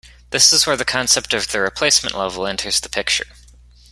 This is where the concept of the replacement level enters the picture.